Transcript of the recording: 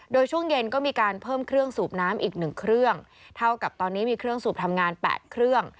โดยช่วงเย็นก็มีการเพิ่มเครื่องสูบน้ำอีกหนึ่งเครื่องเท่ากับตอนนี้มีเครื่องสูบทำงาน๘เครื่อง